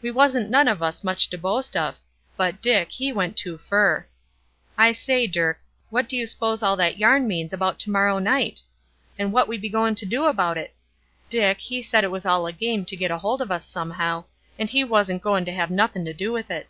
We wasn't none of us much to boast of; but Dick, he went too fur. I say, Dirk, what do you s'pose all that yarn means about to morrow night? And what be we goin' to do about it? Dick, he said it was all a game to get hold of us somehow, and he wasn't goin' to have nothin' to do with it."